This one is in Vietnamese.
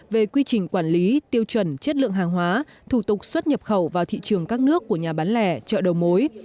về quy trình quản lý tiêu chuẩn chất lượng hàng hóa thủ tục xuất nhập khẩu vào thị trường các nước của nhà bán lẻ chợ đầu mối